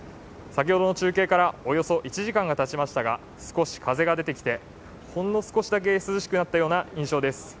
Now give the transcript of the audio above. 先ほどの中継からおよそ１時間がたちましたが少し風が出てきて、ほんの少しだけ涼しくなった印象です。